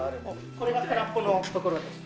これが空っぽのところです。